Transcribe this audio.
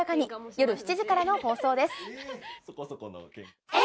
夜７時からの放送です。